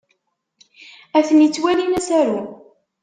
Atni ttwalin asaru.